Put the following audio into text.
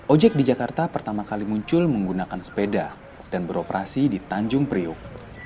ojek di jakarta pertama kali muncul menggunakan sepeda dan beroperasi di tanjung priuk